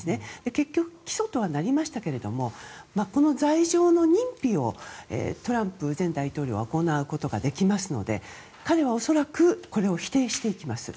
結局、起訴とはなりましたけどこの罪状の認否をトランプ前大統領は行うことができますので彼は恐らくこれを否定していきます。